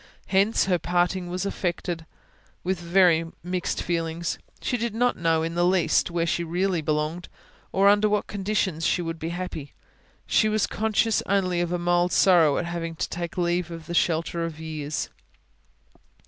Hence, her parting was effected with very mixed feelings; she did not know in the least where she really belonged, or under what conditions she would be happy; she was conscious only of a mild sorrow at having to take leave of the shelter of years.